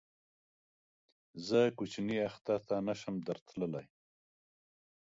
زه کوچني اختر ته نه شم در تللی